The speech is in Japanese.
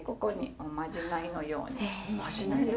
おまじないのように。